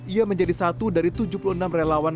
ia menjadi satu dari tujuh puluh enam relawan